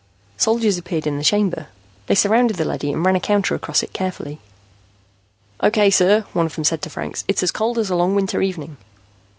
Soldiers appeared in the chamber. They surrounded the leady and ran a counter across it carefully. "Okay, sir," one of them said to Franks. "It's as cold as a long winter evening."